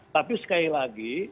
tapi sekali lagi